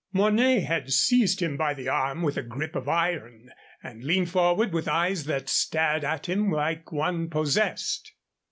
Mornay had seized him by the arm with a grip of iron and leaned forward with eyes that stared at him like one possessed.